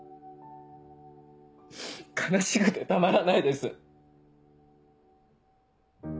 悲しくてたまらないです。